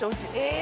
え？